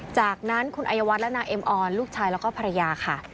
จากนั้นคุณอายวัฒน์และนางเอ็มออนลูกชายแล้วก็ภรรยาค่ะ